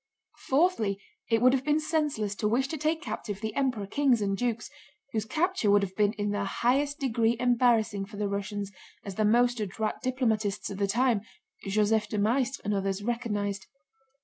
Fourthly, it would have been senseless to wish to take captive the Emperor, kings, and dukes—whose capture would have been in the highest degree embarrassing for the Russians, as the most adroit diplomatists of the time (Joseph de Maistre and others) recognized.